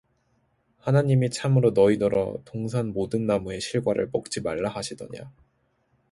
하나님이 참으로 너희더러 동산 모든 나무의 실과를 먹지 말라 하시더냐